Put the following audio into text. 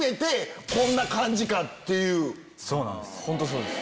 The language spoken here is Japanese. ホントそうです。